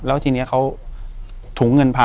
อยู่ที่แม่ศรีวิรัยิลครับ